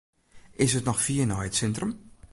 Is it noch fier nei it sintrum?